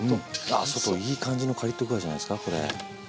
あ外いい感じのカリッと具合じゃないですかこれ。